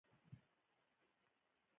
تاسې به ګورئ چې څنګه یې ترلاسه کوم.